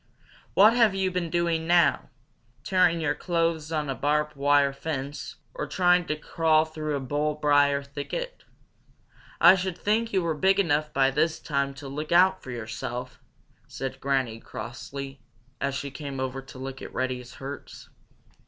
"What have you been doing now tearing your clothes on a barbed wire fence or trying to crawl through a bull briar thicket? I should think you were big enough by this time to look out for yourself!" said Granny Fox crossly, as she came over to look at Reddy's hurts.